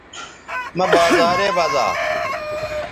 مہ بازارے بزا